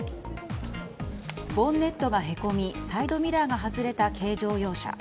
ボンネットが凹みサイドミラーが外れた軽乗用車。